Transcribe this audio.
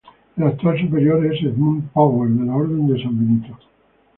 El actual superior es Edmund Power, de la Orden de San Benito.